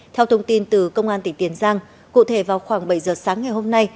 theo thông tin từ công an tỉnh tiền giang cụ thể vào khoảng bảy giờ sáng ngày hôm nay